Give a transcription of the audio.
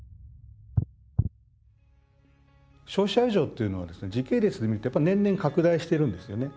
消費者余剰というのは時系列で見るとやっぱ年々拡大してるんですよね。